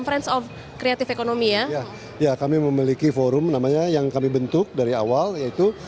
friends of creative economy ya ya kami memiliki forum namanya yang kami bentuk dari awal yaitu